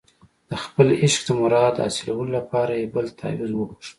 د خپل عشق د مراد د حاصلولو لپاره یې بل تاویز وغوښت.